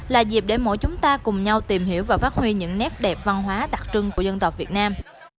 là dịp để mỗi chúng ta cùng nhau tìm hiểu và phát huy những nét đẹp văn hóa đặc trưng của dân tộc việt nam